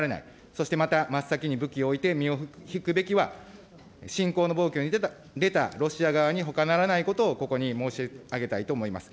そしてまた、真っ先に武器を置いて身を引くべきは、侵攻の暴挙に出たロシア側にほかならないことをここに申し上げたいと思います。